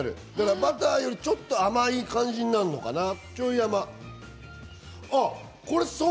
バターよりちょっと甘い感じになるのかな、ちょい甘。